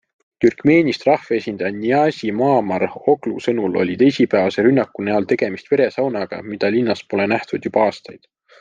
Türkmeenist rahvaesindaja Niazi Maamar Oglu sõnul oli teisipäevase rünnaku näol tegemist veresaunaga, mida linnas pole nähtud juba aastaid.